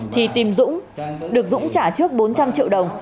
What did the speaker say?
thì tìm dũng được dũng trả trước bốn trăm linh triệu đồng